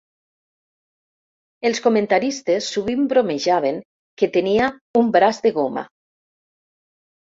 Els comentaristes sovint bromejaven que tenia un "braç de goma".